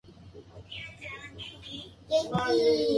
早う文章溜めてね